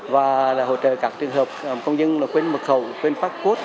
và hỗ trợ các trường hợp công dân quên mật khẩu quên phát cốt